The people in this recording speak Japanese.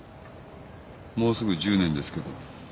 もうすぐ１０年ですけど。